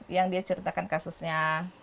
yang dia ceritakan kasusnya